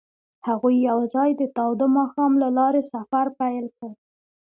هغوی یوځای د تاوده ماښام له لارې سفر پیل کړ.